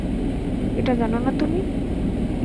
এটা জানো না তুমি?